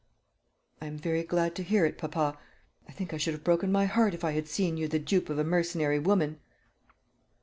"I am very glad to hear it, papa. I think I should have broken my heart, if I had seen you the dupe of a mercenary woman."